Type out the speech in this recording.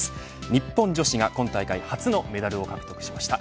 日本女子が今大会初のメダルを獲得しました。